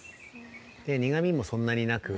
◆苦みもそんなになく。